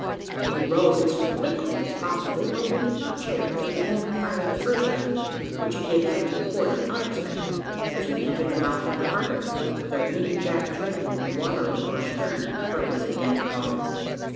We rowed as quickly as possible, but we did not cheer until the enemy fired the first gun; which he did from a quarter unexpected, as we entered the mouth of the harbour, with our union jack trailing in the water over our stern for it was a dead calm.